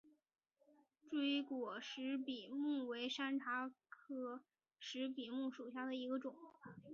锥果石笔木为山茶科石笔木属下的一个种。